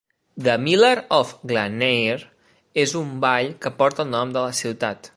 "The Miller of Glanmire" és un ball que porta el nom de la ciutat.